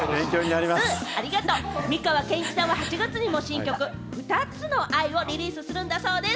美川憲一さんは８月にも新曲『ふたつの愛』をリリースするんだそうです。